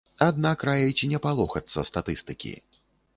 Аднак раіць не палохацца статыстыкі.